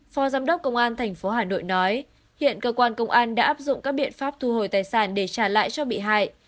phó giám đốc công an tp hà nội nói hiện cơ quan công an đã áp dụng các biện pháp thu hồi tài sản để trả lại cho bị hại